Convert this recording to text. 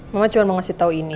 mama cuma mau kasih tau ini